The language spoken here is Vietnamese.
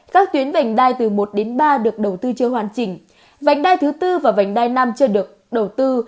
các tuyến vành đai từ một đến ba được đầu tư chưa hoàn chỉnh vành đai thứ tư và vành đai năm chưa được đầu tư